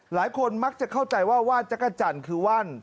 หลายคนมักจะเข้าใจว่าว่านจักรจันทร์คือว่าน